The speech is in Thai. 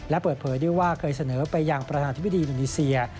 และเปิดเผยด้วยว่าเคยเสนอไปยังประธานธิบดีอินโดนีเซีย